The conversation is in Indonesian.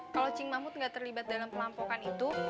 kalau cing mahmud nggak terlibat dalam perampokan itu